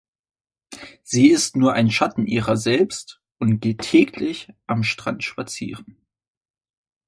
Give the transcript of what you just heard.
Sie ist nur ein Schatten ihrer selbst und geht täglich am Strand spazieren.